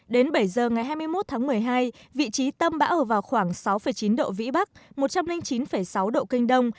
đến bảy giờ ngày hai mươi một tháng một mươi hai vị trí tâm bão ở vào khoảng sáu chín độ vĩ bắc một trăm linh chín sáu độ kinh đông